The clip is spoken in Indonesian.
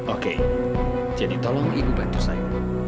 oke jadi tolong ibu bantu saya